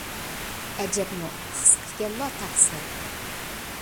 ئەجەبمۇ پىخسىق ئىكەنلا، تەقسىر.